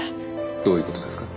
どういう事ですか？